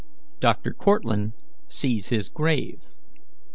DOCTOR CORTLANDT SEES HIS GRAVE.